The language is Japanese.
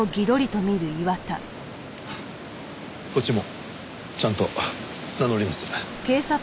こっちもちゃんと名乗ります。